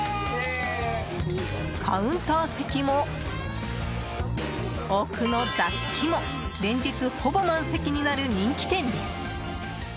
カウンター席も奥の座敷も連日ほぼ満席になる人気店です。